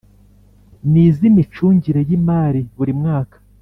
n izimicungire y imari burimwaka